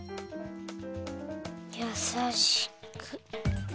やさしく。